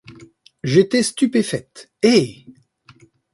J'étais stupéfaite :" Eh !"